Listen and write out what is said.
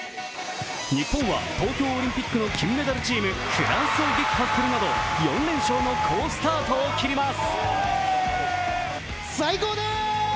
日本は東京オリンピックの金メダルチーム・フランスを撃破するなど４連勝の好スタートを切ります。